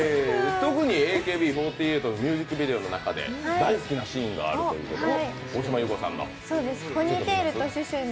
特にＡＫＢ４８のミュージックビデオの中で大好きなシーンがあるということで、大島優子さんの。